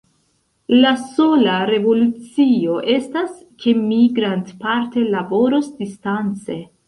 La sola revolucio estas, ke mi grandparte laboros distance.